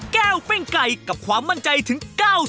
ปิ้งไก่กับความมั่นใจถึง๙๐